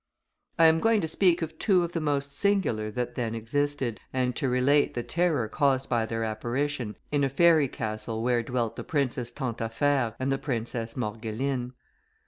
I am going to speak of two of the most singular that then existed, and to relate the terror caused by their apparition, in a fairy castle, where dwelt the princess Tantaffaire and the princess Morgeline.